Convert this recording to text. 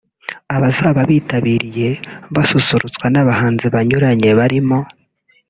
Abazaba bitabiriye basusurutswa n’abahanzi banyuranye barimo